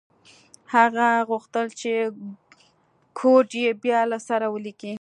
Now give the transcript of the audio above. هغه غوښتل چې کوډ یې بیا له سره ولیکي